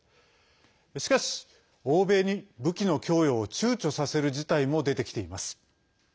しかし、欧米に武器の供与をちゅうちょさせる事態も出てきています。